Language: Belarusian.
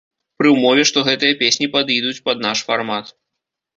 Пры ўмове, што гэтыя песні падыйдуць пад наш фармат.